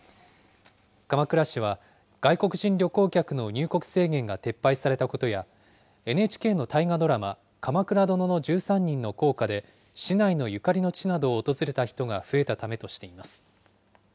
鎌倉市は、外国人旅行客の入国制限が撤廃されたことや、ＮＨＫの大河ドラマ、鎌倉殿の１３人の効果で市内のゆかりの地などを訪れた人が増えたためとしています。